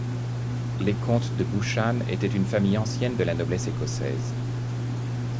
Les comtes de Buchan étaient une famille ancienne de la noblesse écossaise.